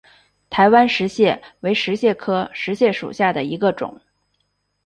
台湾石蟹为石蟹科石蟹属下的一个种。